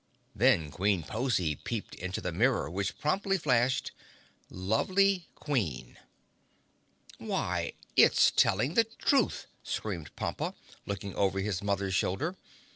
Then Queen Pozy peeped into the mirror, which promptly flashed: Lovely Queen. "Why, it's telling the truth!" screamed Pompa, looking over his mother's shoulder.